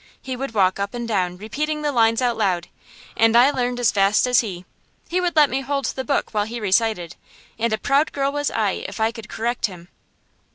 He would walk up and down repeating the lines out loud, and I learned as fast as he. He would let me hold the book while he recited, and a proud girl was I if I could correct him.